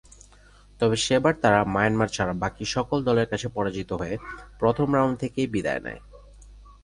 তবে সেবার তারা মায়ানমার ছাড়া বাকি সকল দলের কাছে পরাজিত হয়ে প্রথম রাউন্ড থেকেই বিদায় নেয়।